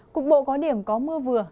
cục bộ có điểm có mưa vừa